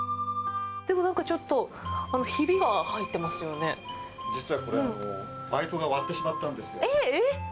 でもなんかちょっと、ひびが実はこれ、バイトが割ってしまったんですよ。